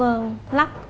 ma túy tổng hợp